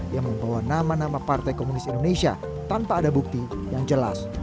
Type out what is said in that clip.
yang membawa nama nama partai komunis indonesia tanpa ada bukti yang jelas